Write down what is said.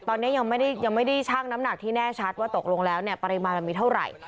ตอนนี้ยังไม่ได้ชั่งน้ำหนักที่แน่ชัดว่าตกลงแล้วปริมาณมันมีเท่าไหร่